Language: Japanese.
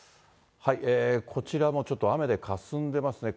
こちらもちょっと雨でかすんでますね。